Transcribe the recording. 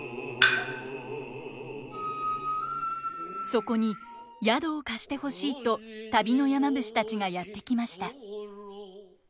そこに宿を貸してほしいと旅の山伏たちがやって来ました。